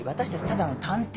ただの探偵。